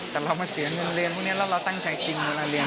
แต่เรามาเสียเงินเรียนพวกนี้แล้วเราตั้งใจกินเวลาเรียน